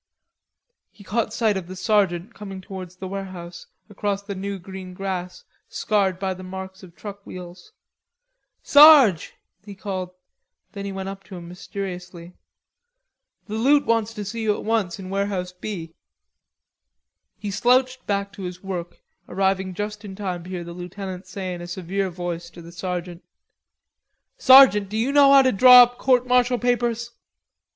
He caught sight of the sergeant coming towards the warehouse, across the new green grass, scarred by the marks of truck wheels. "Sarge," he called. Then he went up to him mysteriously. "The loot wants to see you at once in Warehouse B." He slouched back to his work, arriving just in time to hear the lieutenant say in a severe voice to the sergeant: "Sergeant, do you know how to draw up court martial papers?"